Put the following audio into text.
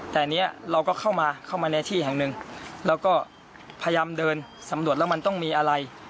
แต่อันนี้เราก็เข้ามาเข้ามาในที่แห่งหนึ่งแล้วก็พยายามเดินสำรวจแล้วมันต้องมีอะไร